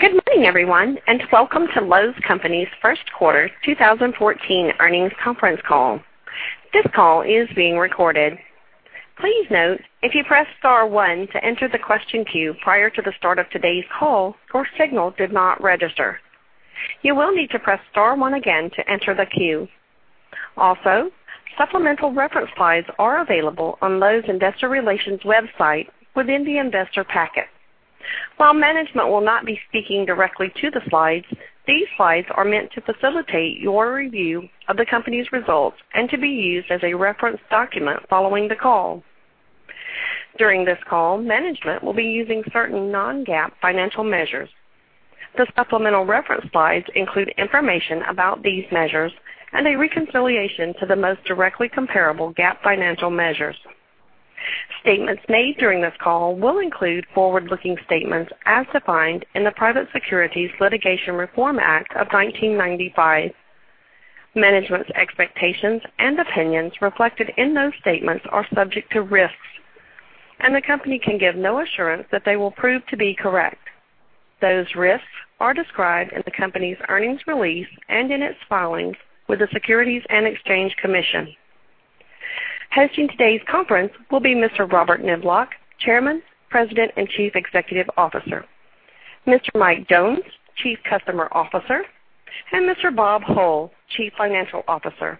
Good morning everyone, and welcome to Lowe's Companies' First Quarter 2014 earnings conference call. This call is being recorded. Please note, if you pressed star one to enter the question queue prior to the start of today's call, your signal did not register. You will need to press star one again to enter the queue. Also, supplemental reference slides are available on Lowe's Investor Relations website within the investor packet. While management will not be speaking directly to the slides, these slides are meant to facilitate your review of the company's results and to be used as a reference document following the call. During this call, management will be using certain non-GAAP financial measures. The supplemental reference slides include information about these measures and a reconciliation to the most directly comparable GAAP financial measures. Statements made during this call will include forward-looking statements as defined in the Private Securities Litigation Reform Act of 1995. Management's expectations and opinions reflected in those statements are subject to risks, the company can give no assurance that they will prove to be correct. Those risks are described in the company's earnings release and in its filings with the Securities and Exchange Commission. Hosting today's conference will be Mr. Robert Niblock, Chairman, President and Chief Executive Officer; Mr. Mike Jones, Chief Customer Officer; and Mr. Bob Hull, Chief Financial Officer.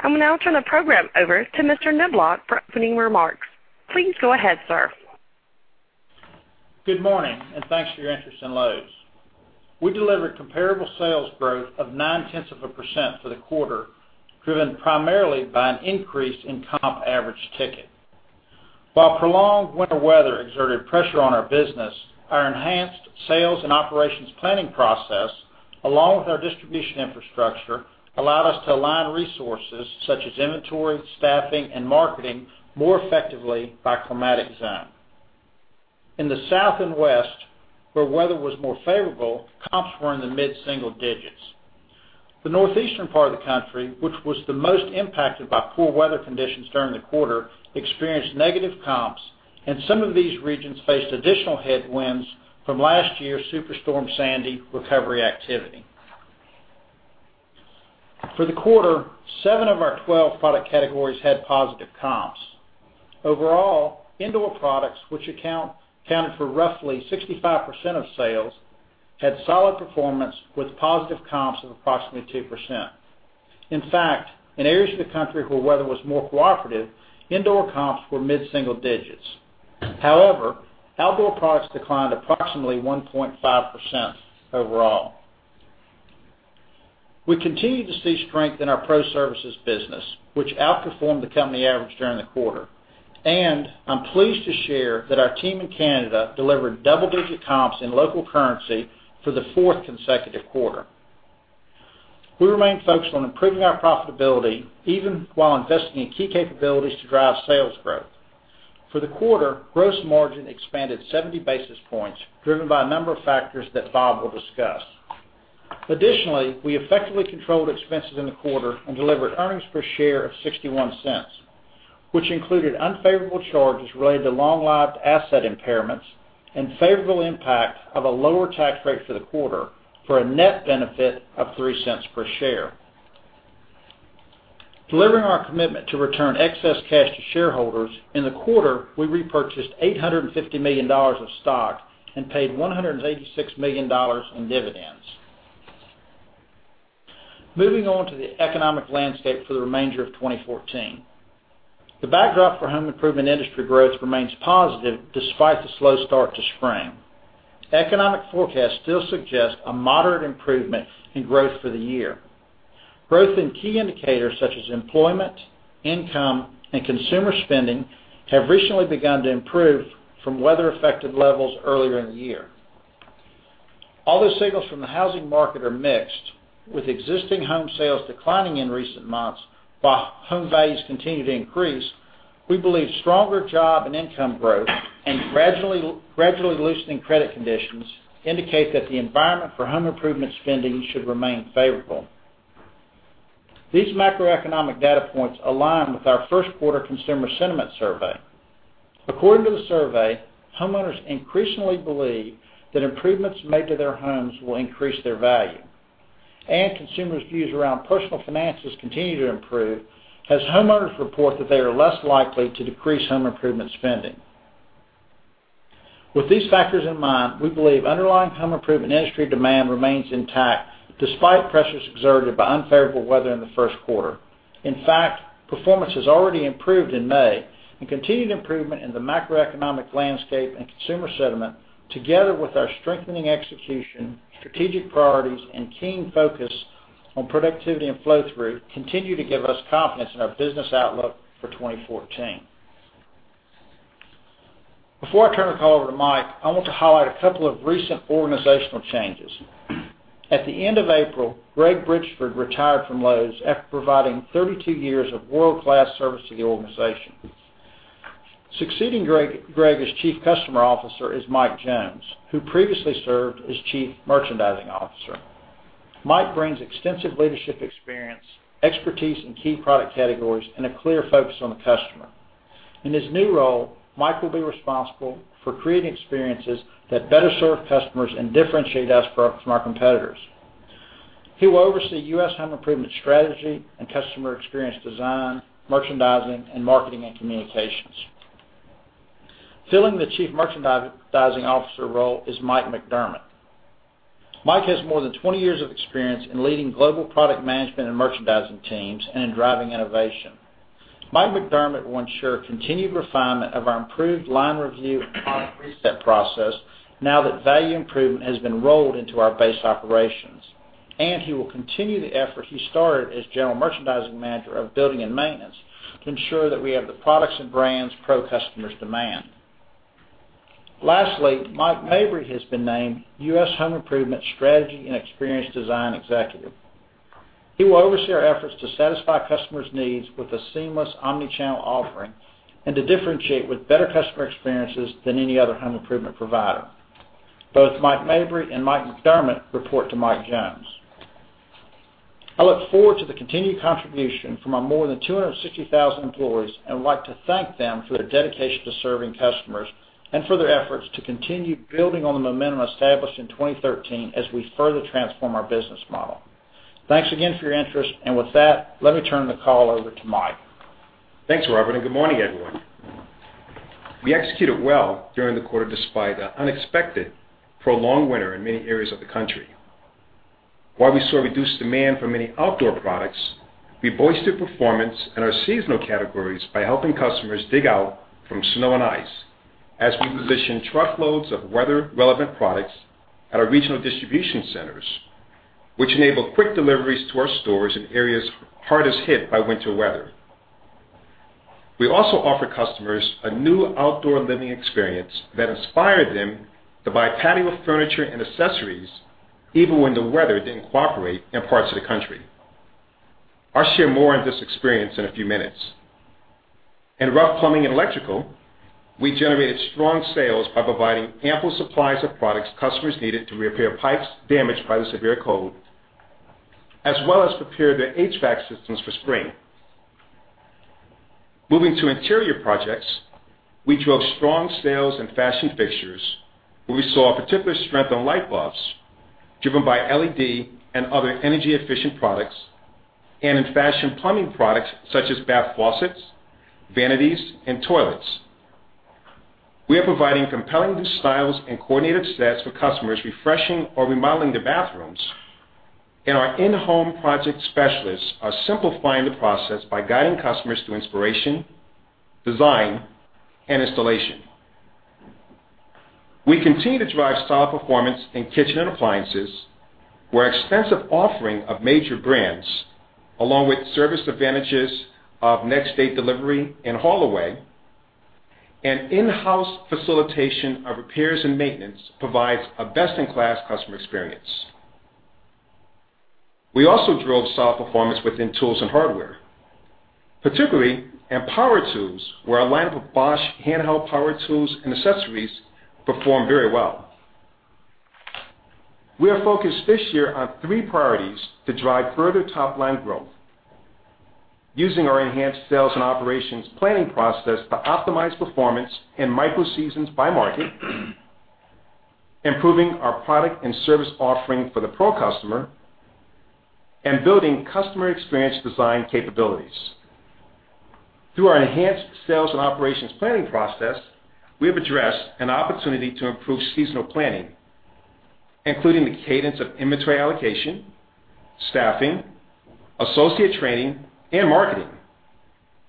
I will now turn the program over to Mr. Niblock for opening remarks. Please go ahead, sir. Good morning, thanks for your interest in Lowe's. We delivered comparable sales growth of 0.9% for the quarter, driven primarily by an increase in comp average ticket. While prolonged winter weather exerted pressure on our business, our enhanced sales and operations planning process, along with our distribution infrastructure, allowed us to align resources such as inventory, staffing, and marketing more effectively by climatic zone. In the South and West, where weather was more favorable, comps were in the mid-single digits. The Northeastern part of the country, which was the most impacted by poor weather conditions during the quarter, experienced negative comps, and some of these regions faced additional headwinds from last year's Superstorm Sandy recovery activity. For the quarter, seven of our 12 product categories had positive comps. Overall, indoor products, which accounted for roughly 65% of sales, had solid performance with positive comps of approximately 2%. In fact, in areas of the country where weather was more cooperative, indoor comps were mid-single digits. However, outdoor products declined approximately 1.5% overall. We continue to see strength in our pro services business, which outperformed the company average during the quarter. I'm pleased to share that our team in Canada delivered double-digit comps in local currency for the fourth consecutive quarter. We remain focused on improving our profitability, even while investing in key capabilities to drive sales growth. For the quarter, gross margin expanded 70 basis points, driven by a number of factors that Bob will discuss. Additionally, we effectively controlled expenses in the quarter and delivered earnings per share of $0.61, which included unfavorable charges related to long-lived asset impairments and favorable impact of a lower tax rate for the quarter for a net benefit of $0.03 per share. Delivering our commitment to return excess cash to shareholders, in the quarter, we repurchased $850 million of stock and paid $186 million in dividends. Moving on to the economic landscape for the remainder of 2014. The backdrop for home improvement industry growth remains positive despite the slow start to spring. Economic forecasts still suggest a moderate improvement in growth for the year. Growth in key indicators such as employment, income, and consumer spending have recently begun to improve from weather-affected levels earlier in the year. Although signals from the housing market are mixed, with existing home sales declining in recent months while home values continue to increase, we believe stronger job and income growth and gradually loosening credit conditions indicate that the environment for home improvement spending should remain favorable. These macroeconomic data points align with our first quarter consumer sentiment survey. According to the survey, homeowners increasingly believe that improvements made to their homes will increase their value. Consumers' views around personal finances continue to improve as homeowners report that they are less likely to decrease home improvement spending. With these factors in mind, we believe underlying home improvement industry demand remains intact despite pressures exerted by unfavorable weather in the first quarter. In fact, performance has already improved in May. Continued improvement in the macroeconomic landscape and consumer sentiment, together with our strengthening execution, strategic priorities, and keen focus on productivity and flow-through, continue to give us confidence in our business outlook for 2014. Before I turn the call over to Mike, I want to highlight a couple of recent organizational changes. At the end of April, Greg Bridgeford retired from Lowe's after providing 32 years of world-class service to the organization. Succeeding Greg as Chief Customer Officer is Michael Jones, who previously served as Chief Merchandising Officer. Mike brings extensive leadership experience, expertise in key product categories, and a clear focus on the customer. In his new role, Mike will be responsible for creating experiences that better serve customers and differentiate us from our competitors. He will oversee U.S. home improvement strategy and customer experience design, merchandising, and marketing and communications. Filling the Chief Merchandising Officer role is Michael P. McDermott. Mike has more than 20 years of experience in leading global product management and merchandising teams and in driving innovation. Michael P. McDermott will ensure continued refinement of our improved line review and product reset process now that value improvement has been rolled into our base operations. He will continue the effort he started as general merchandising manager of building and maintenance to ensure that we have the products and brands pro customers demand. Lastly, Mike Mabry has been named U.S. Home Improvement Strategy and Experience Design Executive. He will oversee our efforts to satisfy customers' needs with a seamless omni-channel offering and to differentiate with better customer experiences than any other home improvement provider. Both Mike Mabry and Michael P. McDermott report to Michael Jones. I look forward to the continued contribution from our more than 260,000 employees and would like to thank them for their dedication to serving customers and for their efforts to continue building on the momentum established in 2013 as we further transform our business model. Thanks again for your interest. With that, let me turn the call over to Mike. Thanks, Robert, good morning, everyone. We executed well during the quarter despite an unexpected prolonged winter in many areas of the country. While we saw reduced demand for many outdoor products, we voiced their performance in our seasonal categories by helping customers dig out from snow and ice as we positioned truckloads of weather-relevant products at our regional distribution centers, which enabled quick deliveries to our stores in areas hardest hit by winter weather. We also offered customers a new outdoor living experience that inspired them to buy patio furniture and accessories even when the weather didn't cooperate in parts of the country. I'll share more on this experience in a few minutes. In rough plumbing and electrical, we generated strong sales by providing ample supplies of products customers needed to repair pipes damaged by the severe cold, as well as prepare their HVAC systems for spring. Moving to interior projects, we drove strong sales in fashion fixtures, where we saw particular strength in light bulbs, driven by LED and other energy-efficient products, and in fashion plumbing products such as bath faucets, vanities, and toilets. We are providing compelling new styles and coordinated sets for customers refreshing or remodeling their bathrooms. Our in-home project specialists are simplifying the process by guiding customers through inspiration, design, and installation. We continue to drive style performance in kitchen and appliances, where extensive offering of major brands, along with service advantages of next-day delivery and haul away, and in-house facilitation of repairs and maintenance provides a best-in-class customer experience. We also drove style performance within tools and hardware, particularly in power tools, where our lineup of Bosch handheld power tools and accessories performed very well. We are focused this year on three priorities to drive further top-line growth. Using our enhanced sales and operations planning process to optimize performance in micro-seasons by market, improving our product and service offering for the pro customer, and building customer experience design capabilities. Through our enhanced sales and operations planning process, we have addressed an opportunity to improve seasonal planning, including the cadence of inventory allocation, staffing, associate training, and marketing.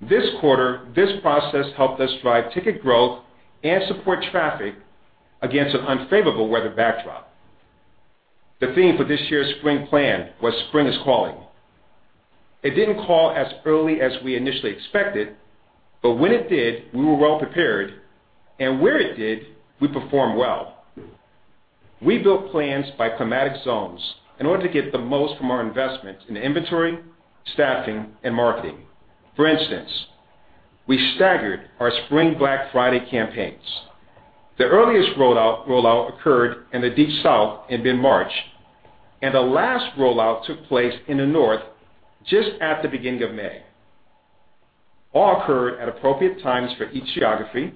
This quarter, this process helped us drive ticket growth and support traffic against an unfavorable weather backdrop. The theme for this year's spring plan was Spring Is Calling. It didn't call as early as we initially expected, but when it did, we were well prepared, and where it did, we performed well. We built plans by climatic zones in order to get the most from our investment in inventory, staffing, and marketing. For instance, we staggered our Spring Black Friday campaigns. The earliest rollout occurred in the Deep South in mid-March, and the last rollout took place in the North just at the beginning of May. All occurred at appropriate times for each geography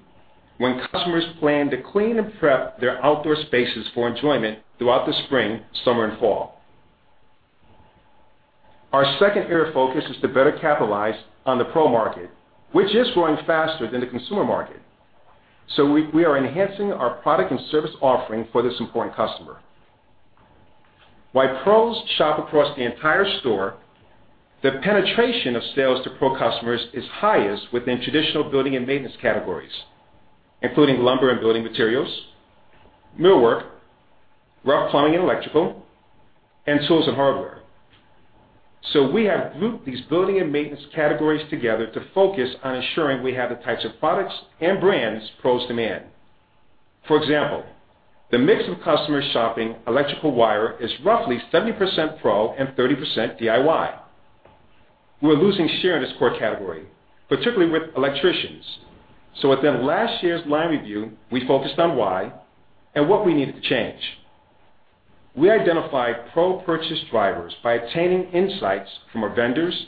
when customers planned to clean and prep their outdoor spaces for enjoyment throughout the spring, summer, and fall. Our second area of focus is to better capitalize on the pro market, which is growing faster than the consumer market. We are enhancing our product and service offering for this important customer. While pros shop across the entire store, the penetration of sales to pro customers is highest within traditional building and maintenance categories, including lumber and building materials, millwork, rough plumbing and electrical, and tools and hardware. We have grouped these building and maintenance categories together to focus on ensuring we have the types of products and brands pros demand. For example, the mix of customers shopping electrical wire is roughly 70% pro and 30% DIY. We were losing share in this core category, particularly with electricians. At then last year's line review, we focused on why and what we needed to change. We identified pro purchase drivers by obtaining insights from our vendors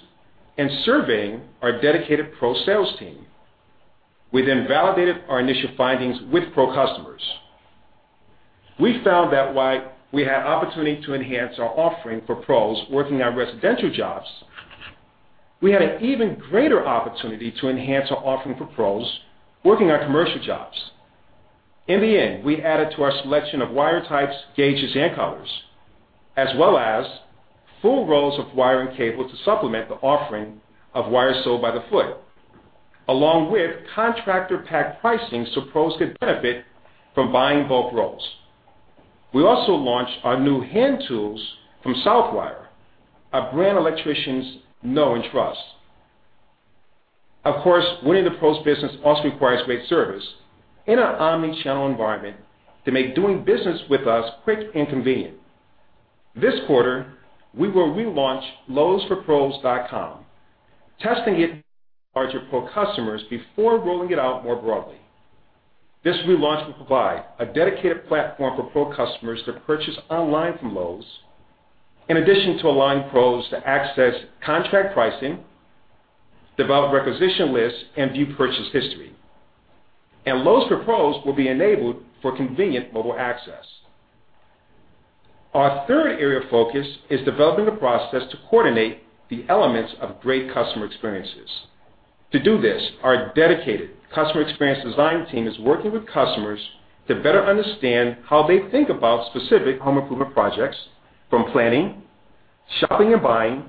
and surveying our dedicated pro sales team. We validated our initial findings with pro customers. We found that while we had opportunity to enhance our offering for pros working on residential jobs, we had an even greater opportunity to enhance our offering for pros working on commercial jobs. In the end, we added to our selection of wire types, gauges, and colors, as well as full rolls of wiring cable to supplement the offering of wire sold by the foot, along with contractor pack pricing so pros could benefit from buying bulk rolls. We also launched our new hand tools from Southwire, a brand electricians know and trust. Of course, winning the pros business also requires great service in an omnichannel environment to make doing business with us quick and convenient. This quarter, we will relaunch Lowe'sForPros.com, testing it with larger pro customers before rolling it out more broadly. This relaunch will provide a dedicated platform for pro customers to purchase online from Lowe's, in addition to allowing pros to access contract pricing, develop requisition lists, and view purchase history. Lowe's for Pros will be enabled for convenient mobile access. Our third area of focus is developing the process to coordinate the elements of great customer experiences. To do this, our dedicated customer experience design team is working with customers to better understand how they think about specific home improvement projects, from planning, shopping, and buying,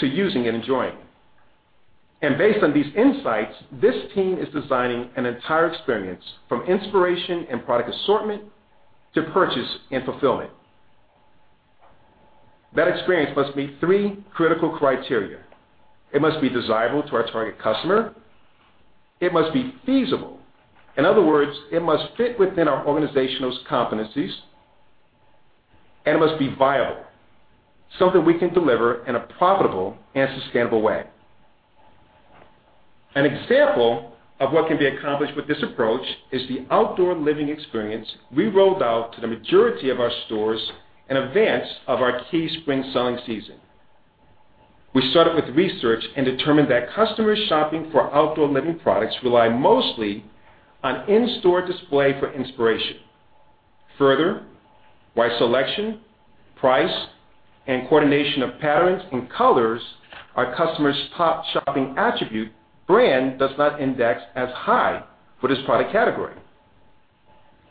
to using and enjoying. Based on these insights, this team is designing an entire experience from inspiration and product assortment to purchase and fulfillment. That experience must meet three critical criteria. It must be desirable to our target customer. It must be feasible. In other words, it must fit within our organizational competencies. It must be viable, something we can deliver in a profitable and sustainable way. An example of what can be accomplished with this approach is the outdoor living experience we rolled out to the majority of our stores in advance of our key spring selling season. We started with research and determined that customers shopping for outdoor living products rely mostly on in-store display for inspiration. Further, while selection, price, and coordination of patterns and colors are customers' top shopping attribute, brand does not index as high for this product category.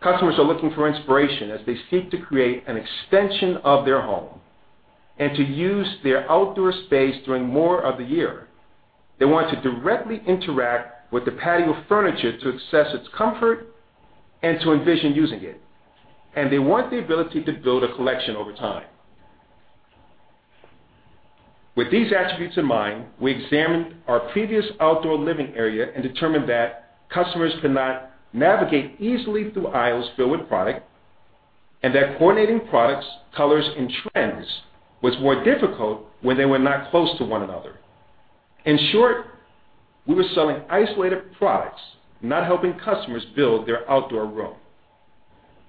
Customers are looking for inspiration as they seek to create an extension of their home and to use their outdoor space during more of the year. They want to directly interact with the patio furniture to assess its comfort and to envision using it. They want the ability to build a collection over time. With these attributes in mind, we examined our previous outdoor living area and determined that customers cannot navigate easily through aisles filled with product. Coordinating products, colors, and trends was more difficult when they were not close to one another. In short, we were selling isolated products, not helping customers build their outdoor room.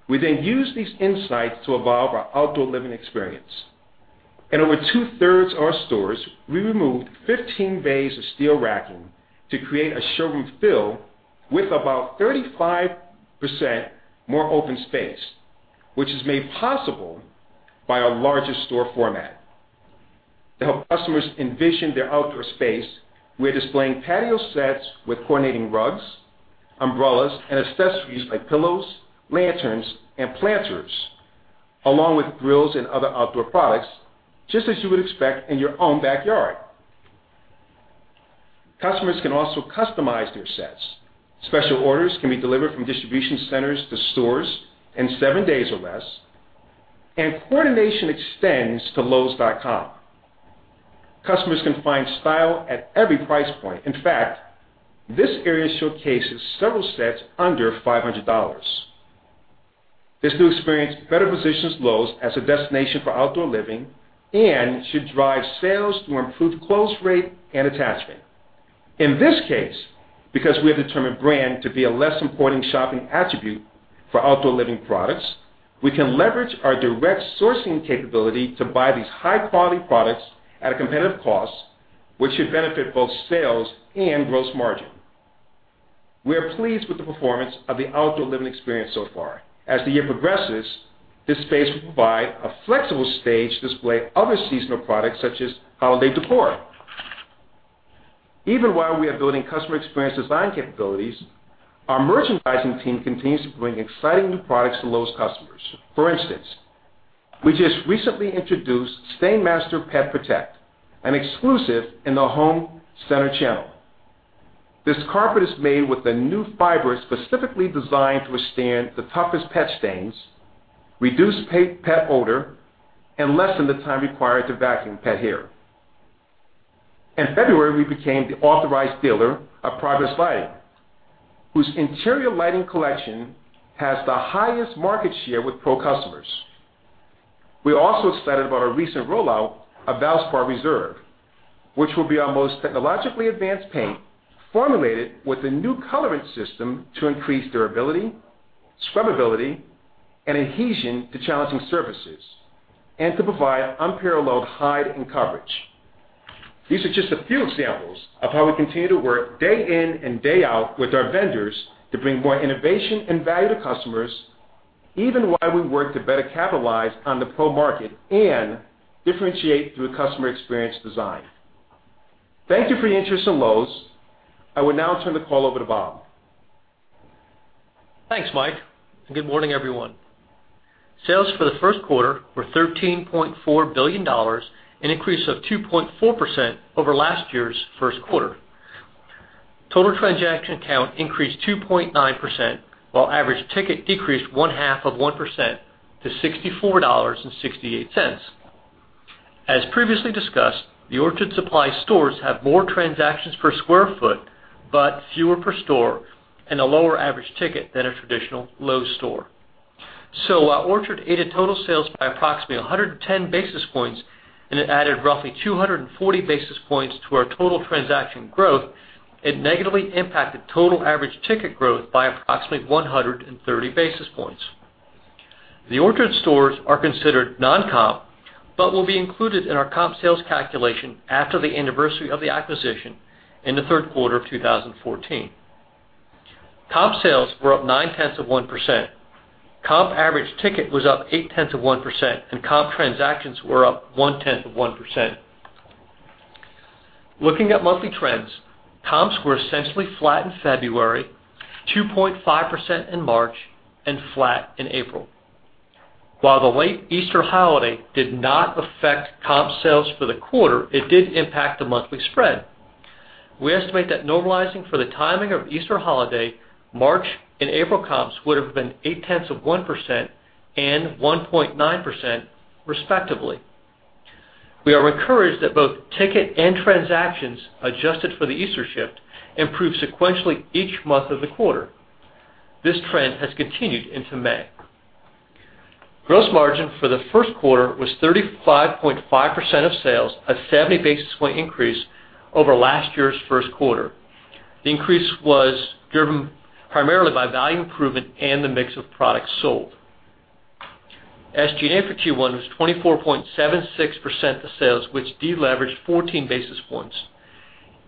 We used these insights to evolve our outdoor living experience. In over two-thirds of our stores, we removed 15 bays of steel racking to create a showroom filled with about 35% more open space, which is made possible by our larger store format. To help customers envision their outdoor space, we're displaying patio sets with coordinating rugs, umbrellas, and accessories like pillows, lanterns, and planters, along with grills and other outdoor products, just as you would expect in your own backyard. Customers can also customize their sets. Special orders can be delivered from distribution centers to stores in seven days or less. Coordination extends to lowes.com. Customers can find style at every price point. In fact, this area showcases several sets under $500. This new experience better positions Lowe's as a destination for outdoor living and should drive sales through improved close rate and attachment. In this case, because we have determined brand to be a less important shopping attribute for outdoor living products, we can leverage our direct sourcing capability to buy these high-quality products at a competitive cost, which should benefit both sales and gross margin. We are pleased with the performance of the outdoor living experience so far. As the year progresses, this space will provide a flexible stage to display other seasonal products, such as holiday decor. Even while we are building customer experience design capabilities, our merchandising team continues to bring exciting new products to Lowe's customers. For instance, we just recently introduced STAINMASTER PetProtect, an exclusive in the home center channel. This carpet is made with a new fiber specifically designed to withstand the toughest pet stains, reduce pet odor, and lessen the time required to vacuum pet hair. In February, we became the authorized dealer of Progress Lighting whose interior lighting collection has the highest market share with pro customers. We're also excited about our recent rollout of Valspar Reserve, which will be our most technologically advanced paint, formulated with a new coloring system to increase durability, scrubability, and adhesion to challenging surfaces. To provide unparalleled hide and coverage. These are just a few examples of how we continue to work day in and day out with our vendors to bring more innovation and value to customers, even while we work to better capitalize on the pro market and differentiate through a customer experience design. Thank you for your interest in Lowe's. I will now turn the call over to Bob. Thanks, Mike, and good morning, everyone. Sales for the first quarter were $13.4 billion, an increase of 2.4% over last year's first quarter. Total transaction count increased 2.9%, while average ticket decreased one-half of 1% to $64.68. As previously discussed, the Orchard Supply stores have more transactions per square foot, but fewer per store and a lower average ticket than a traditional Lowe's store. While Orchard aided total sales by approximately 110 basis points, it added roughly 240 basis points to our total transaction growth, it negatively impacted total average ticket growth by approximately 130 basis points. The Orchard stores are considered non-comp, but will be included in our comp sales calculation after the anniversary of the acquisition in the third quarter of 2014. Comp sales were up nine-tenths of 1%. Comp average ticket was up eight-tenths of 1%, and comp transactions were up one-tenth of 1%. Looking at monthly trends, comps were essentially flat in February, 2.5% in March, and flat in April. While the late Easter holiday did not affect comp sales for the quarter, it did impact the monthly spread. We estimate that normalizing for the timing of Easter holiday, March, and April comps would have been eight-tenths of 1% and 1.9%, respectively. We are encouraged that both ticket and transactions adjusted for the Easter shift improved sequentially each month of the quarter. This trend has continued into May. Gross margin for the first quarter was 35.5% of sales, a 70-basis point increase over last year's first quarter. The increase was driven primarily by value improvement and the mix of products sold. SG&A for Q1 was 24.76% of sales, which deleveraged 14 basis points.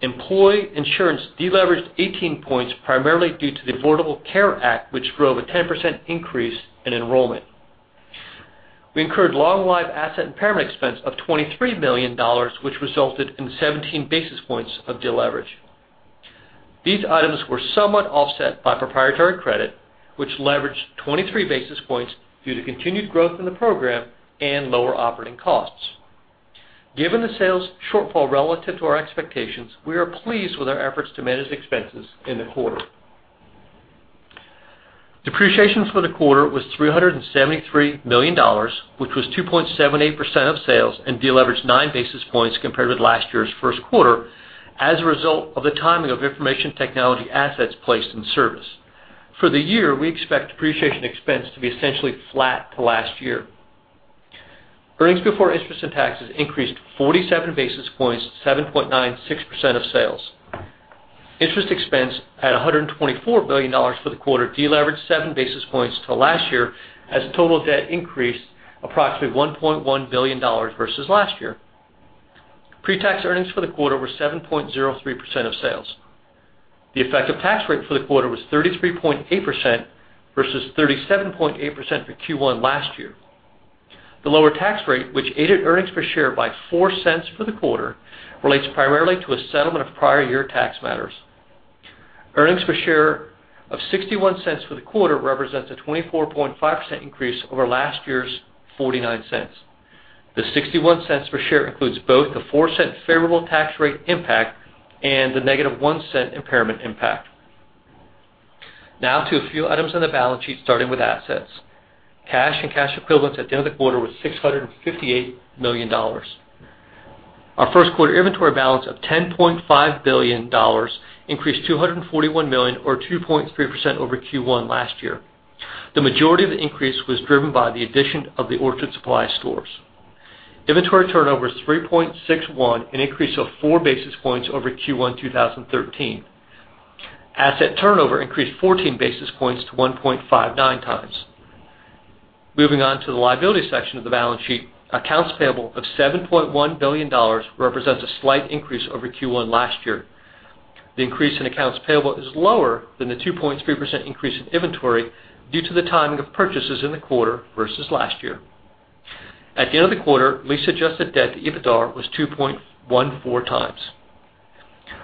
Employee insurance deleveraged 18 points, primarily due to the Affordable Care Act, which drove a 10% increase in enrollment. We incurred long-lived asset impairment expense of $23 million, which resulted in 17 basis points of deleverage. These items were somewhat offset by proprietary credit, which leveraged 23 basis points due to continued growth in the program and lower operating costs. Given the sales shortfall relative to our expectations, we are pleased with our efforts to manage expenses in the quarter. Depreciation for the quarter was $373 million, which was 2.78% of sales and deleveraged nine basis points compared with last year's first quarter as a result of the timing of information technology assets placed in service. For the year, we expect depreciation expense to be essentially flat to last year. Earnings before interest and taxes increased 47 basis points to 7.96% of sales. Interest expense at $124 million for the quarter deleveraged seven basis points to last year, as total debt increased approximately $1.1 billion versus last year. Pre-tax earnings for the quarter were 7.03% of sales. The effective tax rate for the quarter was 33.8% versus 37.8% for Q1 last year. The lower tax rate, which aided earnings per share by $0.04 for the quarter, relates primarily to a settlement of prior year tax matters. Earnings per share of $0.61 for the quarter represents a 24.5% increase over last year's $0.49. The $0.61 per share includes both the $0.04 favorable tax rate impact and the negative $0.01 impairment impact. To a few items on the balance sheet, starting with assets. Cash and cash equivalents at the end of the quarter were $658 million. Our first quarter inventory balance of $10.5 billion increased $241 million or 2.3% over Q1 last year. The majority of the increase was driven by the addition of the Orchard Supply stores. Inventory turnover is 3.61, an increase of four basis points over Q1 2013. Asset turnover increased 14 basis points to 1.59 times. Moving on to the liability section of the balance sheet. Accounts payable of $7.1 billion represents a slight increase over Q1 last year. The increase in accounts payable is lower than the 2.3% increase in inventory due to the timing of purchases in the quarter versus last year. At the end of the quarter, lease-adjusted debt to EBITDA was 2.14 times.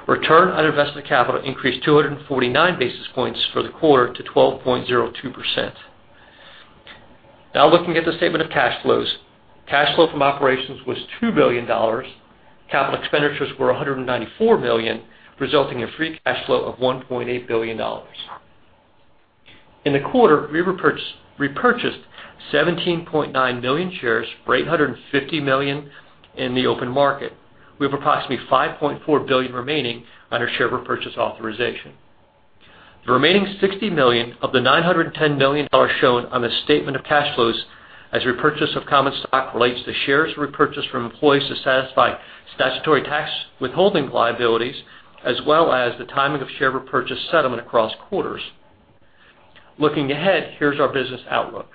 Return on invested capital increased 249 basis points for the quarter to 12.02%. Now looking at the statement of cash flows. Cash flow from operations was $2 billion. Capital expenditures were $194 million, resulting in free cash flow of $1.8 billion. In the quarter, we repurchased 17.9 million shares for $850 million in the open market. We have approximately $5.4 billion remaining on our share repurchase authorization. The remaining $60 million of the $910 million shown on the statement of cash flows as repurchase of common stock relates to shares repurchased from employees to satisfy statutory tax withholding liabilities, as well as the timing of share repurchase settlement across quarters. Looking ahead, here's our business outlook.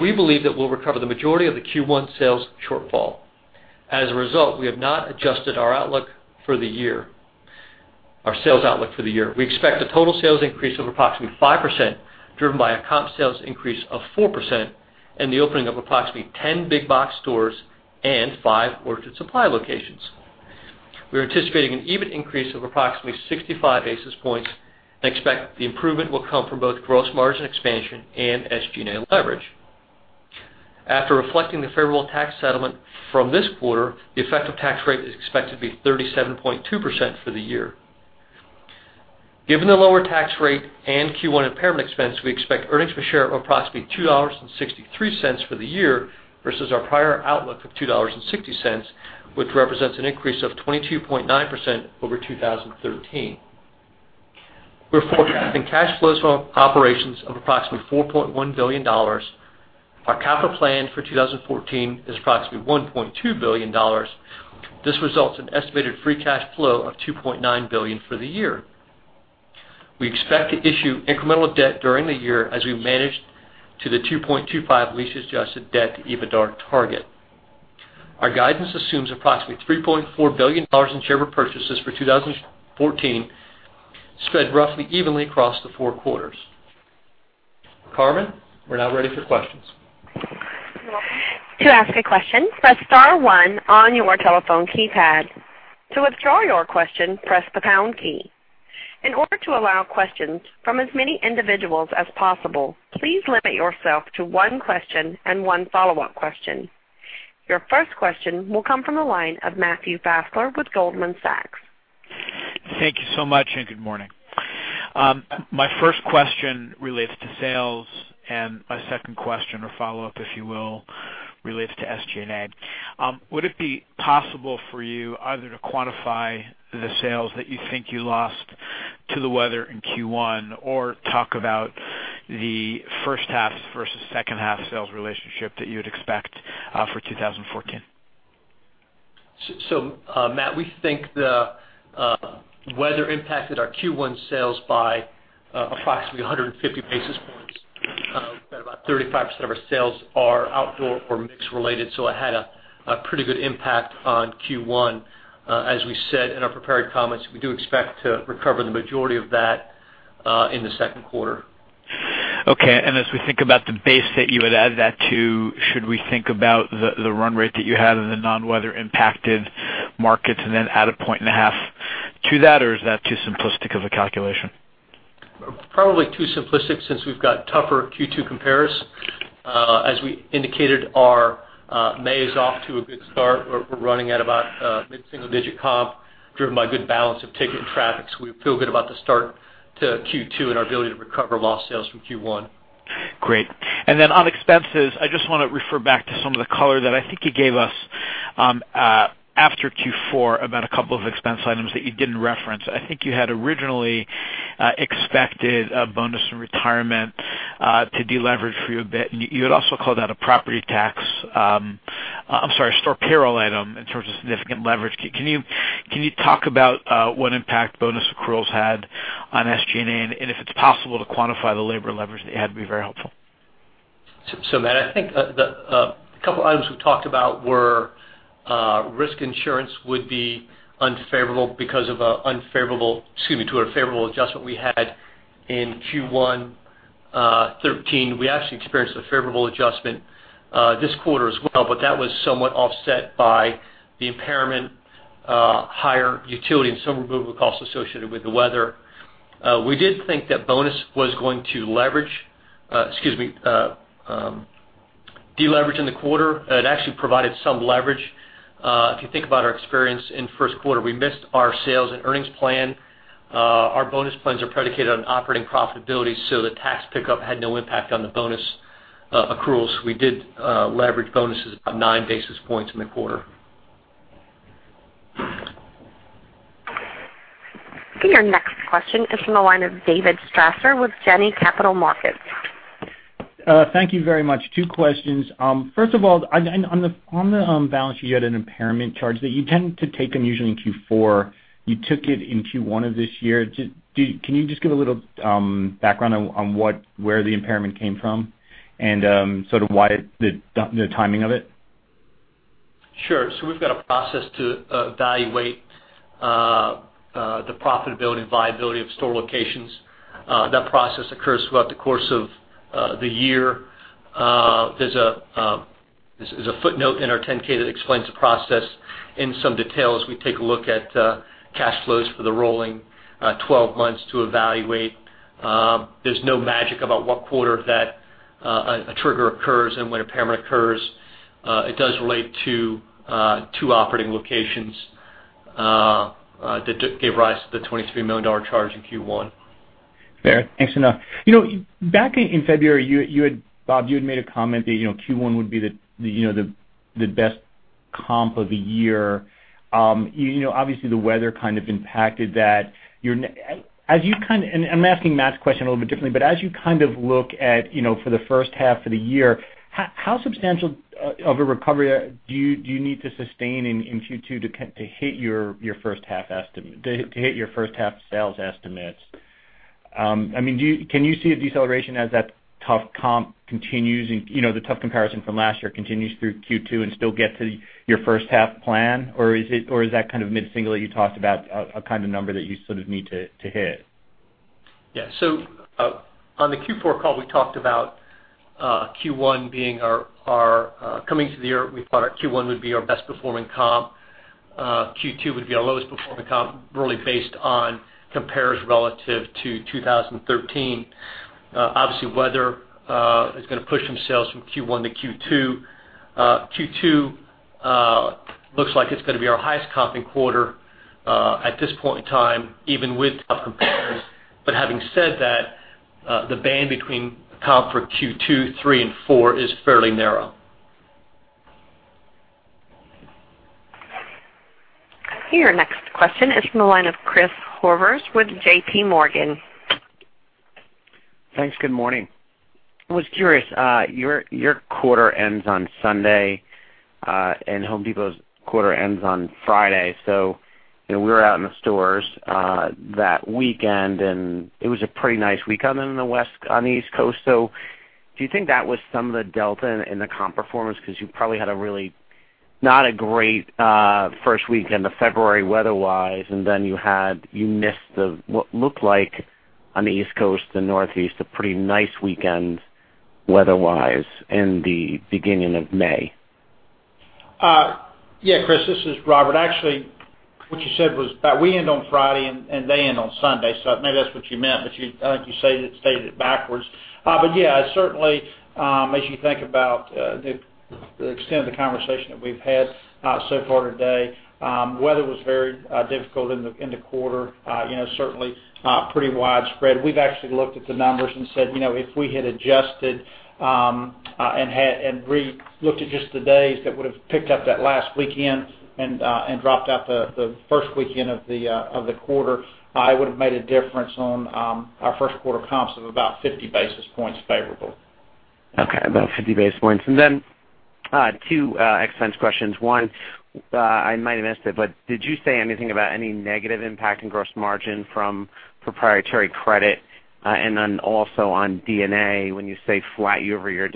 We believe that we'll recover the majority of the Q1 sales shortfall. As a result, we have not adjusted our sales outlook for the year. We expect a total sales increase of approximately 5%, driven by a comp sales increase of 4% and the opening of approximately 10 big box stores and 5 Orchard Supply locations. We are anticipating an EBIT increase of approximately 65 basis points and expect the improvement will come from both gross margin expansion and SG&A leverage. After reflecting the favorable tax settlement from this quarter, the effective tax rate is expected to be 37.2% for the year. Given the lower tax rate and Q1 impairment expense, we expect earnings per share of approximately $2.63 for the year versus our prior outlook of $2.60, which represents an increase of 22.9% over 2013. We're forecasting cash flows from operations of approximately $4.1 billion. Our capital plan for 2014 is approximately $1.2 billion. This results in estimated free cash flow of $2.9 billion for the year. We expect to issue incremental debt during the year as we manage to the 2.25 lease-adjusted debt-to-EBITDA target. Our guidance assumes approximately $3.4 billion in share repurchases for 2014, spread roughly evenly across the 4 quarters. Carmen, we're now ready for questions. You're welcome. To ask a question, press *1 on your telephone keypad. To withdraw your question, press the # key. In order to allow questions from as many individuals as possible, please limit yourself to 1 question and 1 follow-up question. Your first question will come from the line of Matthew Fassler with Goldman Sachs. Thank you so much. Good morning. My first question relates to sales and my second question or follow-up, if you will, relates to SG&A. Would it be possible for you either to quantify the sales that you think you lost to the weather in Q1, or talk about the first half versus second half sales relationship that you would expect for 2014? Matt, we think the weather impacted our Q1 sales by approximately 150 basis points. We've got about 35% of our sales are outdoor or mix related, it had a pretty good impact on Q1. As we said in our prepared comments, we do expect to recover the majority of that in the second quarter. Okay, as we think about the base that you would add that to, should we think about the run rate that you had in the non-weather impacted markets and then add a point and a half to that, or is that too simplistic of a calculation? Probably too simplistic since we've got tougher Q2 compares. As we indicated, our May is off to a good start. We're running at about mid-single digit comp, driven by good balance of ticket and traffic. We feel good about the start to Q2 and our ability to recover lost sales from Q1. Great. On expenses, I just want to refer back to some of the color that I think you gave us after Q4 about a couple of expense items that you didn't reference. I think you had originally expected a bonus and retirement to deleverage for you a bit, and you had also called out a store payroll item in terms of significant leverage. Can you talk about what impact bonus accruals had on SG&A? If it's possible to quantify the labor leverage that you had, it would be very helpful. Mike, I think a couple items we talked about were risk insurance would be unfavorable because of a favorable adjustment we had in Q1 '13. We actually experienced a favorable adjustment this quarter as well, but that was somewhat offset by the impairment, higher utility, and some removal costs associated with the weather. We did think that bonus was going to deleverage in the quarter. It actually provided some leverage. If you think about our experience in the first quarter, we missed our sales and earnings plan. Our bonus plans are predicated on operating profitability, so the tax pickup had no impact on the bonus accruals. We did leverage bonuses about nine basis points in the quarter. Okay. Your next question is from the line of David Strasser with Janney Capital Markets. Thank you very much. Two questions. First of all, on the balance sheet, you had an impairment charge that you tend to take them usually in Q4. You took it in Q1 of this year. Can you just give a little background on where the impairment came from, and sort of why the timing of it? Sure. We've got a process to evaluate the profitability and viability of store locations. That process occurs throughout the course of the year. There's a footnote in our 10-K that explains the process in some detail as we take a look at cash flows for the rolling 12 months to evaluate. There's no magic about what quarter that a trigger occurs and when impairment occurs. It does relate to two operating locations. That gave rise to the $23 million charge in Q1. Fair. Thanks enough. Back in February, Bob, you had made a comment that Q1 would be the best comp of the year. Obviously, the weather impacted that. I'm asking Matt's question a little bit differently, but as you look at for the first half of the year, how substantial of a recovery do you need to sustain in Q2 to hit your first-half sales estimates? Can you see a deceleration as that tough comp continues and the tough comparison from last year continues through Q2 and still get to your first-half plan? Is that mid-single that you talked about a kind of number that you sort of need to hit? Yeah. On the Q4 call, we talked about Q1 being coming into the year, we thought our Q1 would be our best performing comp. Q2 would be our lowest performing comp, really based on compares relative to 2013. Obviously, weather is going to push some sales from Q1 to Q2. Q2 looks like it's going to be our highest comping quarter, at this point in time, even with tough compares. Having said that, the band between comp for Q2, three, and four is fairly narrow. Your next question is from the line of Chris Horvers with J.P. Morgan. Thanks. Good morning. I was curious. Your quarter ends on Sunday, and Home Depot's quarter ends on Friday. We were out in the stores that weekend, and it was a pretty nice weekend in the West, on the East Coast. Do you think that was some of the delta in the comp performance? Because you probably had a really not a great first weekend of February weather-wise, and then you missed the, what looked like on the East Coast, the Northeast, a pretty nice weekend weather-wise in the beginning of May. Yeah, Chris, this is Robert. Actually, what you said was about we end on Friday and they end on Sunday. Maybe that's what you meant, but I think you stated it backwards. Yeah, certainly, as you think about the extent of the conversation that we've had so far today, weather was very difficult in the quarter. Certainly, pretty widespread. We've actually looked at the numbers and said, if we had adjusted and re-looked at just the days that would've picked up that last weekend and dropped out the first weekend of the quarter, it would've made a difference on our first quarter comps of about 50 basis points favorable. Okay. About 50 basis points. Two expense questions. One, I might have missed it, but did you say anything about any negative impact in gross margin from proprietary credit? Also on D&A, when you say flat year-over-year,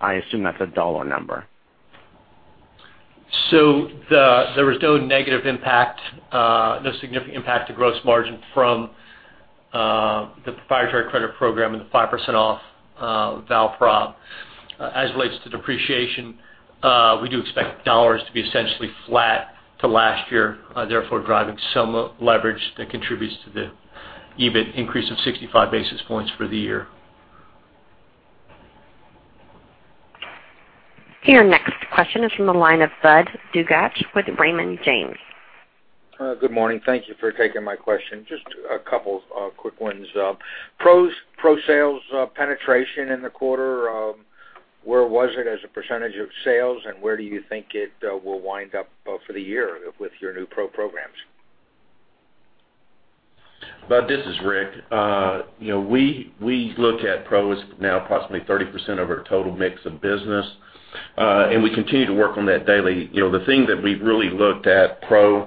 I assume that's a dollar number. There was no negative impact, no significant impact to gross margin from the proprietary credit program and the 5% off ValProp. As it relates to depreciation, we do expect dollars to be essentially flat to last year, therefore, driving some leverage that contributes to the EBIT increase of 65 basis points for the year. Your next question is from the line of Budd Bugatch with Raymond James. Good morning. Thank you for taking my question. Just a couple of quick ones. Pros sales penetration in the quarter, where was it as a percentage of sales, and where do you think it will wind up for the year with your new Pro programs? Budd, this is Rick. We look at Pros now approximately 30% of our total mix of business. We continue to work on that daily. The thing that we've really looked at Pro,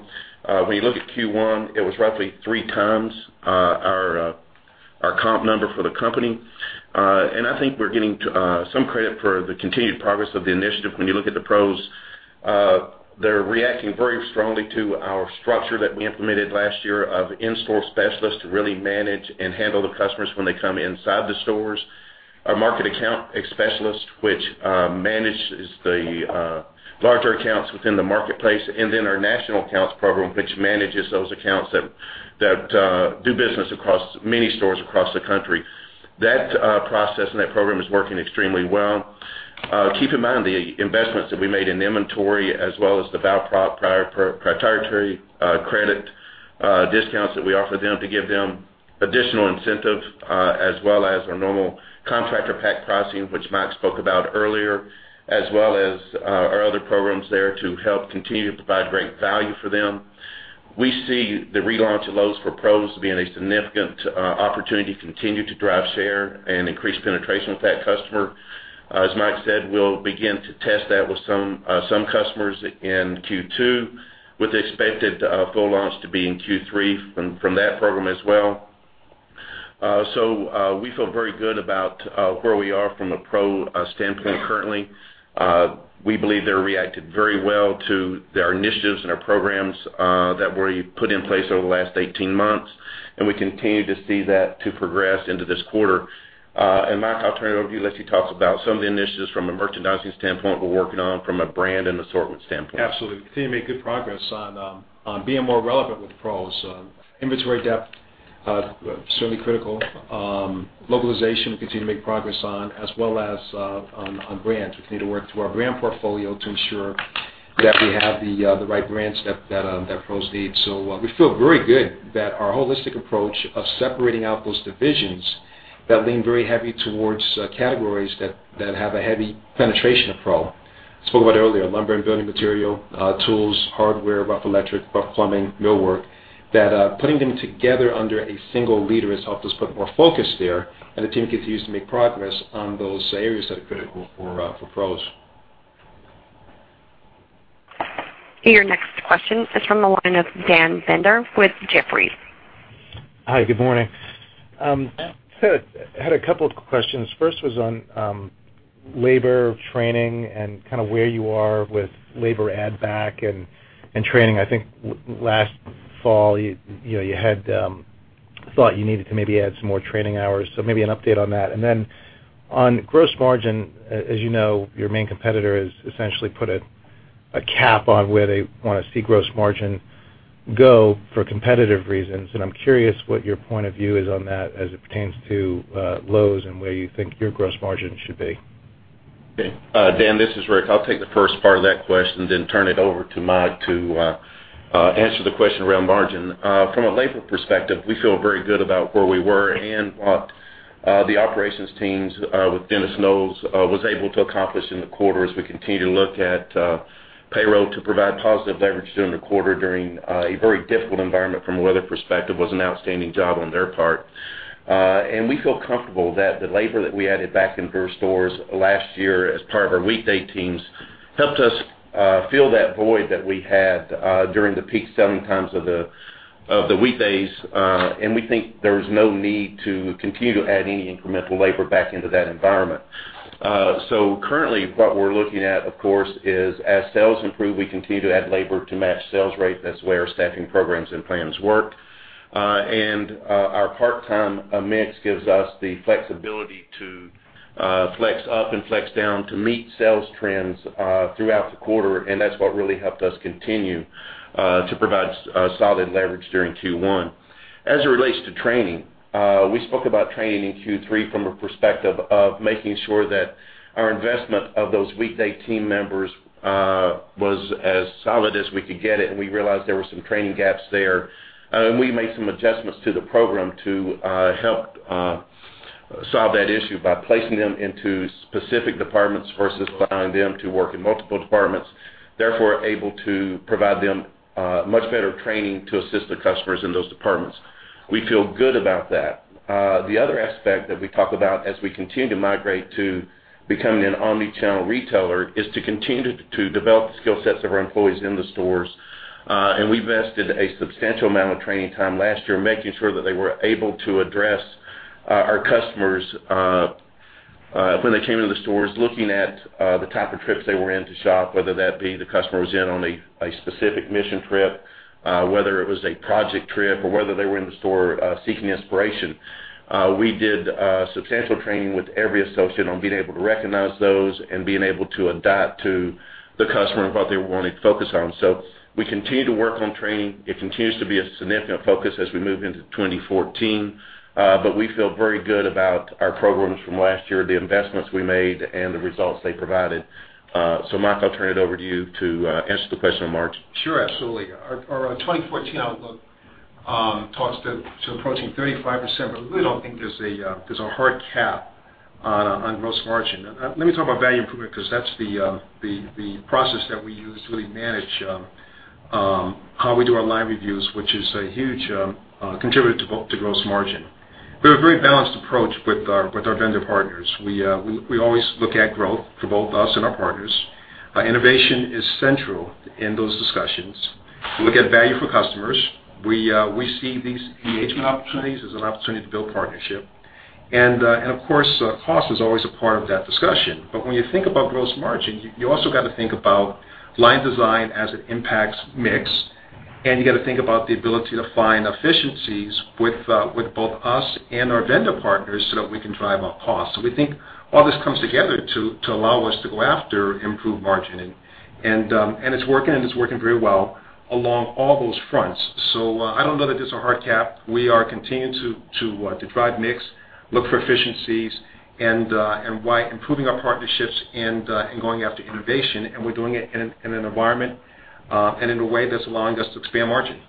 when you look at Q1, it was roughly three times our comp number for the company. I think we're getting some credit for the continued progress of the initiative. When you look at the pros, they're reacting very strongly to our structure that we implemented last year of in-store specialists to really manage and handle the customers when they come inside the stores. Our market account specialists, which manages the larger accounts within the marketplace, and then our National Accounts Program, which manages those accounts that do business across many stores across the country. That process and that program is working extremely well. Keep in mind the investments that we made in inventory as well as the ValProp proprietary credit discounts that we offer them to give them additional incentive, as well as our normal contractor pack pricing, which Mike spoke about earlier, as well as our other programs there to help continue to provide great value for them. We see the relaunch of Lowe's for Pros being a significant opportunity to continue to drive share and increase penetration with that customer. As Mike said, we'll begin to test that with some customers in Q2 with expected full launch to be in Q3 from that program as well. We feel very good about where we are from a pro standpoint currently. We believe they reacted very well to their initiatives and our programs that were put in place over the last 18 months, and we continue to see that to progress into this quarter. Mike, I'll turn it over to you. Let you talk about some of the initiatives from a merchandising standpoint we're working on from a brand and assortment standpoint. Absolutely. Continue to make good progress on being more relevant with pros. Inventory depth Certainly critical. Localization, we continue to make progress on, as well as on brand. We continue to work through our brand portfolio to ensure that we have the right brands that pros need. We spoke about it earlier, lumber and building material, tools, hardware, rough electric, rough plumbing, millwork, that putting them together under a single leader has helped us put more focus there, and the team continues to make progress on those areas that are critical for pros. Your next question is from the line of Dan Binder with Jefferies. Hi, good morning. Had a couple of questions. First was on labor training and where you are with labor add back and training. I think last fall, you thought you needed to maybe add some more training hours. Maybe an update on that. On gross margin, as you know, your main competitor has essentially put a cap on where they want to see gross margin go for competitive reasons, and I'm curious what your point of view is on that as it pertains to Lowe's and where you think your gross margin should be. Okay. Dan, this is Rick. I'll take the first part of that question, then turn it over to Mike to answer the question around margin. From a labor perspective, we feel very good about where we were and what the operations teams with Dennis Knowles was able to accomplish in the quarter as we continue to look at payroll to provide positive leverage during the quarter during a very difficult environment from a weather perspective, was an outstanding job on their part. We feel comfortable that the labor that we added back in through our stores last year as part of our weekday teams helped us fill that void that we had during the peak selling times of the weekdays. We think there's no need to continue to add any incremental labor back into that environment. Currently, what we're looking at, of course, is as sales improve, we continue to add labor to match sales rate. That's where staffing programs and plans work. Our part-time mix gives us the flexibility to flex up and flex down to meet sales trends throughout the quarter, and that's what really helped us continue to provide solid leverage during Q1. As it relates to training, we spoke about training in Q3 from a perspective of making sure that our investment of those weekday team members was as solid as we could get it, and we realized there were some training gaps there. We made some adjustments to the program to help solve that issue by placing them into specific departments versus allowing them to work in multiple departments, therefore able to provide them much better training to assist the customers in those departments. We feel good about that. The other aspect that we talk about as we continue to migrate to becoming an omni-channel retailer is to continue to develop the skill sets of our employees in the stores. We vested a substantial amount of training time last year, making sure that they were able to address our customers when they came into the stores, looking at the type of trips they were in to shop, whether that be the customer was in on a specific mission trip, whether it was a project trip or whether they were in the store seeking inspiration. We did substantial training with every associate on being able to recognize those and being able to adapt to the customer and what they were wanting to focus on. We continue to work on training. It continues to be a significant focus as we move into 2014. We feel very good about our programs from last year, the investments we made, and the results they provided. Mike, I'll turn it over to you to answer the question on margin. Sure, absolutely. Our 2014 outlook talks to approaching 35%, but we don't think there's a hard cap on gross margin. Let me talk about value improvement because that's the process that we use to really manage how we do our line reviews, which is a huge contributor to gross margin. We have a very balanced approach with our vendor partners. We always look at growth for both us and our partners. Innovation is central in those discussions. We look at value for customers. We see these engagement opportunities as an opportunity to build partnership. Of course, cost is always a part of that discussion. When you think about gross margin, you also got to think about line design as it impacts mix, and you got to think about the ability to find efficiencies with both us and our vendor partners so that we can drive up cost. We think all this comes together to allow us to go after improved margin. It's working, and it's working very well along all those fronts. I don't know that there's a hard cap. We are continuing to drive mix, look for efficiencies, and improving our partnerships and going after innovation, and we're doing it in an environment and in a way that's allowing us to expand margin.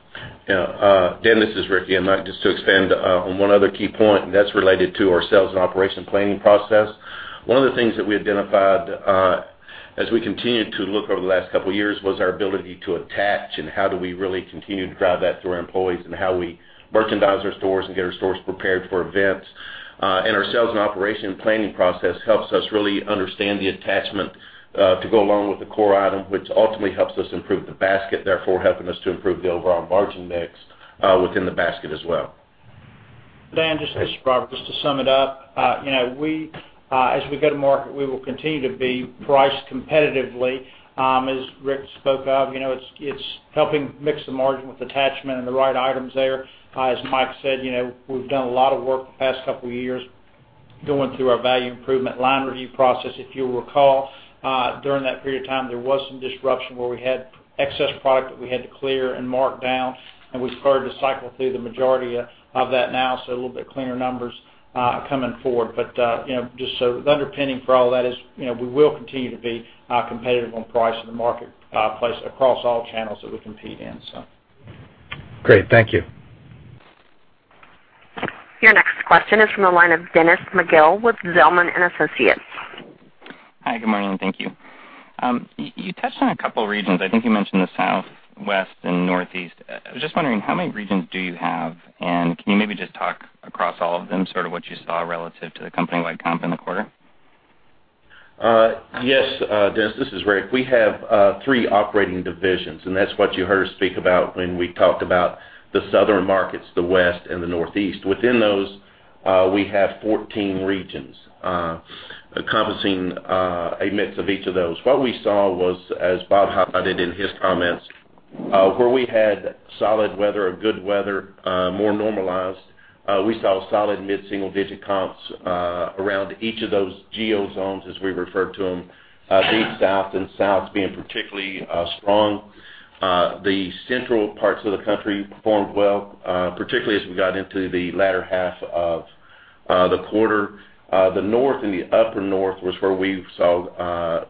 Yeah. Dan, this is Rick. Mike, just to expand on one other key point, and that's related to our sales and operation planning Process. One of the things that we identified as we continued to look over the last couple of years was our ability to attach and how do we really continue to drive that through our employees and how we merchandise our stores and get our stores prepared for events. Our Sales and Operation Planning Process helps us really understand the attachment to go along with the core item, which ultimately helps us improve the basket, therefore helping us to improve the overall margin mix within the basket as well. Dan, this is Robert. Just to sum it up, as we go to market, we will continue to be priced competitively. As Rick spoke of, it is helping mix the margin with attachment and the right items there. As Mike said, we have done a lot of work the past couple of years going through our value improvement line review process. If you will recall, during that period of time, there was some disruption where we had excess product that we had to clear and mark down, and we have started to cycle through the majority of that now, so a little bit cleaner numbers coming forward. The underpinning for all that is we will continue to be competitive on price in the marketplace across all channels that we compete in. Great. Thank you. Your next question is from the line of Dennis McGill with Zelman & Associates. Hi, good morning. Thank you. You touched on a couple of regions. I think you mentioned the South, West, and Northeast. I was just wondering, how many regions do you have, and can you maybe just talk across all of them, sort of what you saw relative to the company-wide comp in the quarter? Yes, Dennis, this is Rick. We have three operating divisions. That's what you heard us speak about when we talked about the southern markets, the West and the Northeast. Within those, we have 14 regions, encompassing a mix of each of those. What we saw was, as Bob highlighted in his comments, where we had solid weather or good weather, more normalized, we saw solid mid-single-digit comps around each of those geo zones, as we refer to them. Deep South and South being particularly strong. The central parts of the country performed well, particularly as we got into the latter half of the quarter. The North and the Upper North was where we saw a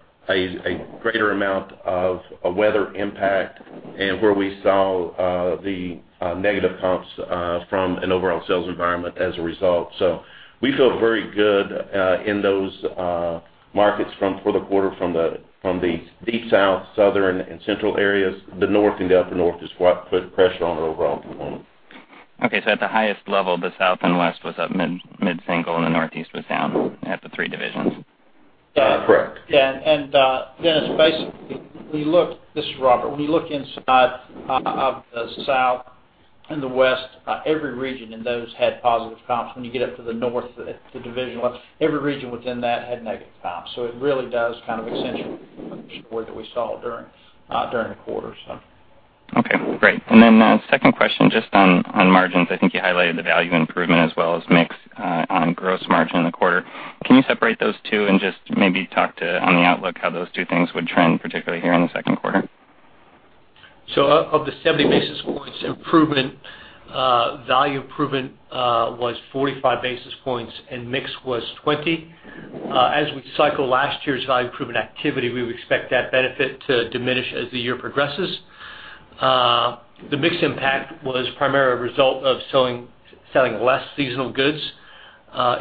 greater amount of weather impact and where we saw the negative comps from an overall sales environment as a result. We feel very good in those markets for the quarter from the Deep South, Southern, and Central areas. The North and the Upper North is what put pressure on it overall at the moment. Okay, at the highest level, the South and West was up mid-single, and the Northeast was down at the three divisions. Correct. Yeah. Dennis, basically, this is Robert. When you look inside of the South and the West, every region in those had positive comps. When you get up to the North, the division, every region within that had negative comps. It really does kind of accentuate the story that we saw during the quarter. Okay, great. Second question, just on margins. I think you highlighted the value improvement as well as mix on gross margin in the quarter. Can you separate those two and just maybe talk to, on the outlook, how those two things would trend, particularly here in the second quarter? Of the 70 basis points improvement, value improvement was 45 basis points and mix was 20. As we cycle last year's value improvement activity, we would expect that benefit to diminish as the year progresses. The mix impact was primarily a result of selling less seasonal goods.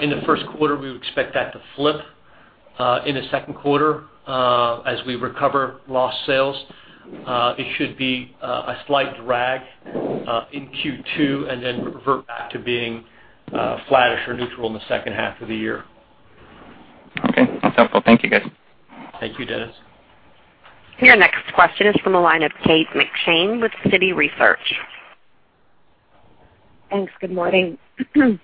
In the first quarter, we would expect that to flip. In the second quarter, as we recover lost sales, it should be a slight drag in Q2 and then revert back to being flattish or neutral in the second half of the year. Okay, that's helpful. Thank you, guys. Thank you, Dennis. Your next question is from the line of Kate McShane with Citi Research. Thanks. Good morning. I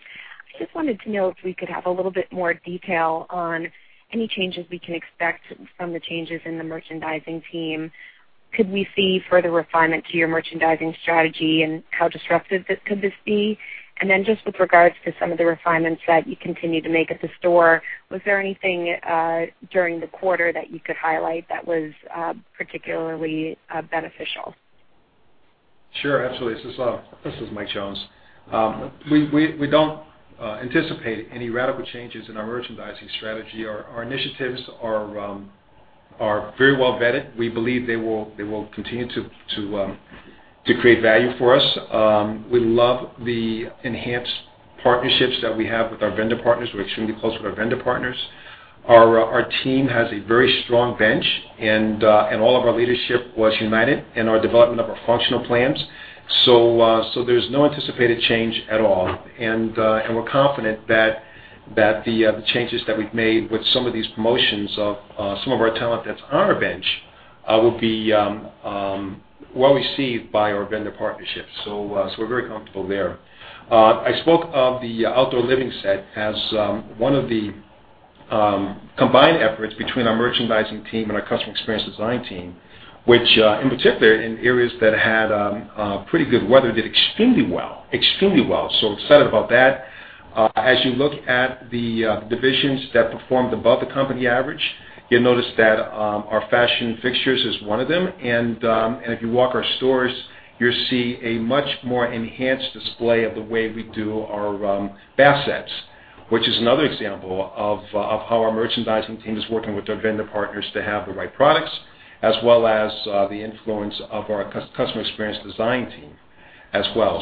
just wanted to know if we could have a little bit more detail on any changes we can expect from the changes in the merchandising team. Could we see further refinement to your merchandising strategy, and how disruptive could this be? Then just with regards to some of the refinements that you continue to make at the store, was there anything during the quarter that you could highlight that was particularly beneficial? Sure, absolutely. This is Mike Jones. We don't anticipate any radical changes in our merchandising strategy. Our initiatives are very well-vetted. We believe they will continue to create value for us. We love the enhanced partnerships that we have with our vendor partners. We're extremely close with our vendor partners. Our team has a very strong bench, and all of our leadership was united in our development of our functional plans. There's no anticipated change at all. We're confident that the changes that we've made with some of these promotions of some of our talent that's on our bench will be well-received by our vendor partnerships. We're very comfortable there. I spoke of the outdoor living set as one of the combined efforts between our merchandising team and our customer experience design team, which in particular in areas that had pretty good weather, did extremely well. Excited about that. As you look at the divisions that performed above the company average, you'll notice that our fashion fixtures is one of them. If you walk our stores, you'll see a much more enhanced display of the way we do our bath sets, which is another example of how our merchandising team is working with their vendor partners to have the right products, as well as the influence of our customer experience design team as well.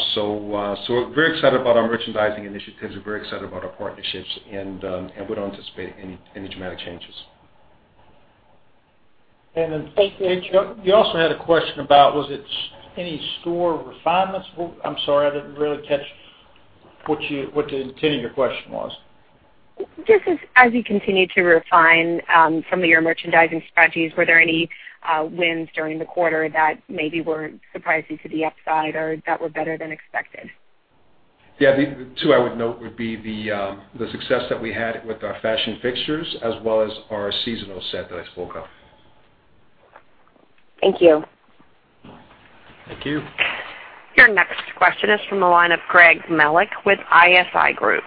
We're very excited about our merchandising initiatives. We're very excited about our partnerships, and we don't anticipate any dramatic changes. Kate. Thank you You also had a question about was it any store refinements? I'm sorry, I didn't really catch what the intent of your question was. Just as you continue to refine some of your merchandising strategies, were there any wins during the quarter that maybe were surprising to the upside or that were better than expected? Yeah. The two I would note would be the success that we had with our fashion fixtures as well as our seasonal set that I spoke of. Thank you. Thank you. Your next question is from the line of Gregory Melich with ISI Group.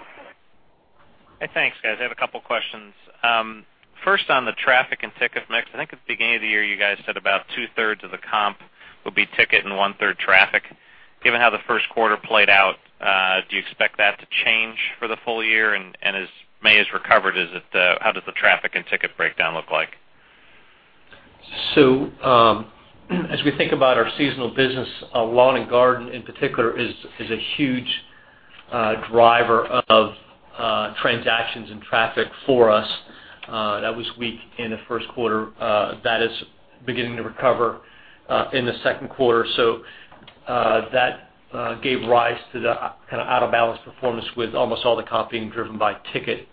Hey, thanks, guys. I have a couple of questions. First, on the traffic and ticket mix, I think at the beginning of the year, you guys said about two-thirds of the comp would be ticket and one-third traffic. Given how the first quarter played out, do you expect that to change for the full year? As May has recovered, how does the traffic and ticket breakdown look like? As we think about our seasonal business, lawn and garden in particular is a huge driver of transactions and traffic for us. That was weak in the first quarter. That is beginning to recover in the second quarter. That gave rise to the out-of-balance performance with almost all the comp being driven by ticket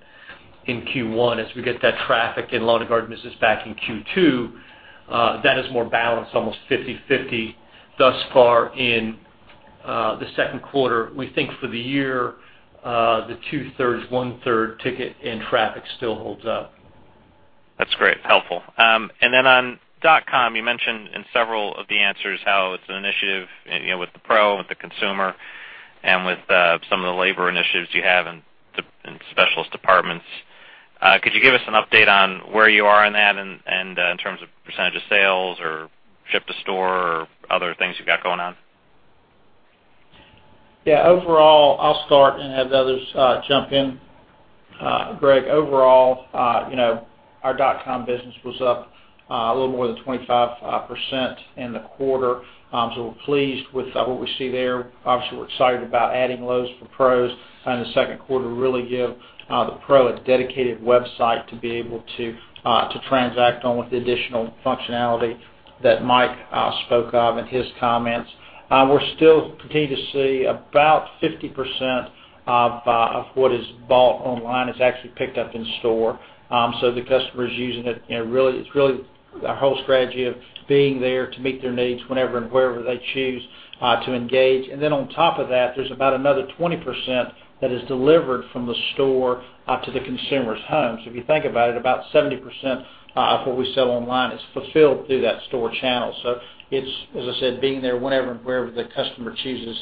in Q1. As we get that traffic in lawn and garden business back in Q2, that is more balanced, almost 50/50 thus far in the second quarter. We think for the year, the two-thirds, one-third ticket and traffic still holds up. That's great. Helpful. Then on dot-com, you mentioned in several of the answers how it's an initiative, with the pro, with the consumer, and with some of the labor initiatives you have in specialist departments. Could you give us an update on where you are in that in terms of percentage of sales or ship-to-store or other things you've got going on? Yeah, overall, I'll start and have the others jump in. Greg, overall, our dot-com business was up a little more than 25% in the quarter. We're pleased with what we see there. Obviously, we're excited about adding Lowe's for Pros in the second quarter to really give the pro a dedicated website to be able to transact on with the additional functionality that Mike spoke of in his comments. We still continue to see about 50% of what is bought online is actually picked up in store. The customer is using it. It's really our whole strategy of being there to meet their needs whenever and wherever they choose to engage. Then on top of that, there's about another 20% that is delivered from the store out to the consumer's homes. If you think about it, about 70% of what we sell online is fulfilled through that store channel. It's, as I said, being there whenever and wherever the customer chooses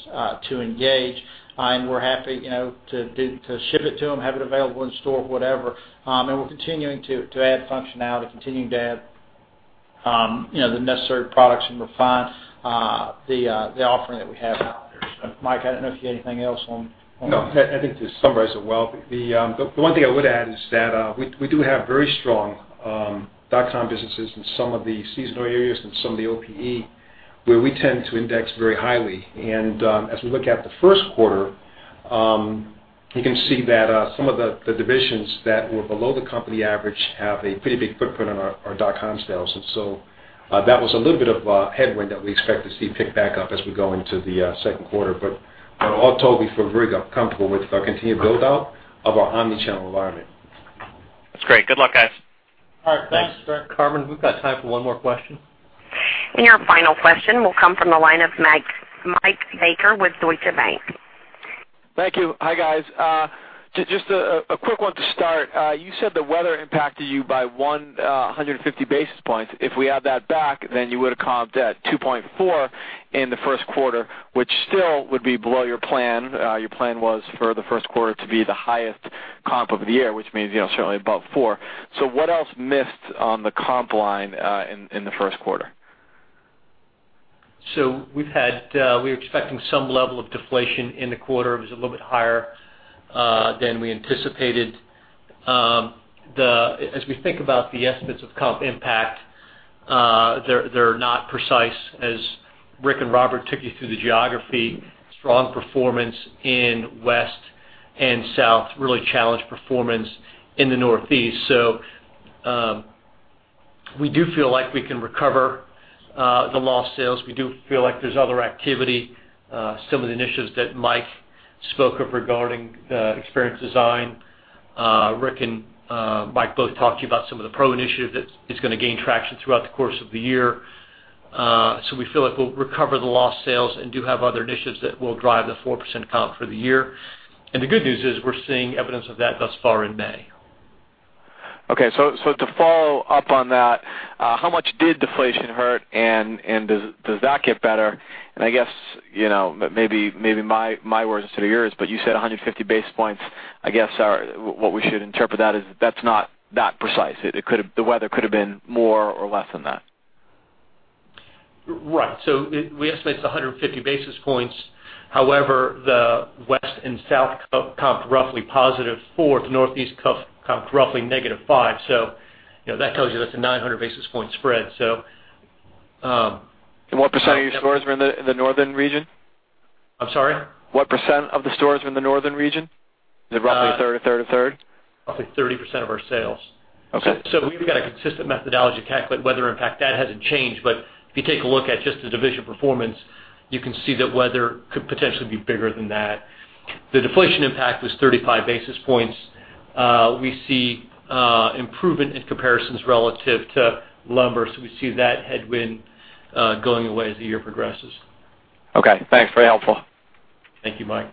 to engage. We're happy to ship it to them, have it available in store, whatever. We're continuing to add functionality, continuing to add the necessary products, and refine the offering that we have out there. Mike, I don't know if you have anything else on- No. I think you summarized it well. The one thing I would add is that we do have very strong dot-com businesses in some of the seasonal areas and some of the OPE where we tend to index very highly. As we look at the first quarter, you can see that some of the divisions that were below the company average have a pretty big footprint on our dot-com sales. That was a little bit of a headwind that we expect to see pick back up as we go into the second quarter. All told, we feel very comfortable with our continued build-out of our omni-channel environment. That's great. Good luck, guys. All right. Thanks, Greg. Carmen, we've got time for one more question. Your final question will come from the line of Michael Baker with Deutsche Bank. Thank you. Hi, guys. Just a quick one to start. You said the weather impacted you by 150 basis points. If we add that back, then you would have comped at 2.4 in the first quarter, which still would be below your plan. Your plan was for the first quarter to be the highest comp of the year, which means certainly above four. What else missed on the comp line in the first quarter? We were expecting some level of deflation in the quarter. It was a little bit higher than we anticipated. As we think about the estimates of comp impact, they're not precise as Rick and Robert took you through the geography. Strong performance in West and South, really challenged performance in the Northeast. We do feel like we can recover the lost sales. We do feel like there's other activity, some of the initiatives that Mike spoke of regarding the Experience Design. Rick and Mike both talked to you about some of the pro initiatives that is going to gain traction throughout the course of the year. We feel like we'll recover the lost sales and do have other initiatives that will drive the 4% comp for the year. The good news is we're seeing evidence of that thus far in May. To follow up on that, how much did deflation hurt, and does that get better? I guess, maybe my words instead of yours, but you said 150 basis points. I guess what we should interpret that is that's not that precise. The weather could have been more or less than that. Right. We estimate it's 150 basis points. However, the West and South comp roughly +4% to Northeast comp roughly -5%. That tells you that's a 900 basis point spread. What % of your stores are in the northern region? I'm sorry? What % of the stores are in the northern region? Is it roughly a third? Probably 30% of our sales. Okay. We've got a consistent methodology to calculate weather impact. That hasn't changed, but if you take a look at just the division performance, you can see that weather could potentially be bigger than that. The deflation impact was 35 basis points. We see improvement in comparisons relative to lumber, so we see that headwind going away as the year progresses. Okay, thanks. Very helpful. Thank you, Mike.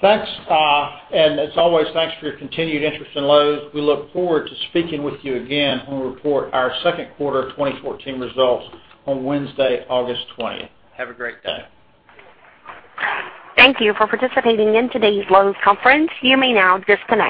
Thanks. As always, thanks for your continued interest in Lowe's. We look forward to speaking with you again when we report our second quarter 2014 results on Wednesday, August 20th. Have a great day. Thank you for participating in today's Lowe's conference. You may now disconnect.